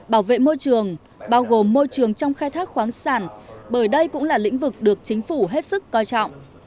bảo vệ môi trường bao gồm môi trường trong khai thác khoáng sản bởi đây cũng là lĩnh vực được chính phủ hết sức coi trọng